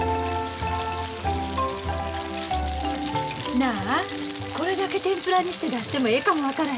なあこれだけ天ぷらにして出してもええかも分からへんな。